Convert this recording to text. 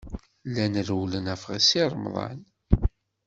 Llan rewwlen ɣef Si Remḍan.